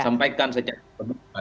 sampaikan secara berdua